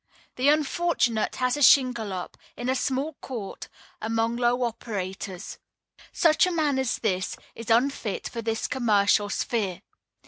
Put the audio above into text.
The unfortunate has a shingle up, in a small court, among low operators. Such a man as this is unfit for this commercial sphere.